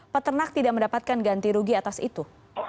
peternak tidak mendapatkan ganti rugi atas itu